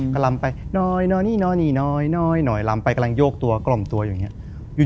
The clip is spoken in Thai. ก็ลำไปน้อยลำไปกำลังโยกตัวกล่อมตัวอยู่อย่างนี้